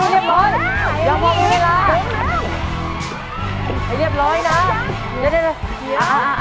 อย่าเหมาะกันเวลาให้เรียบร้อยนะจะได้เลย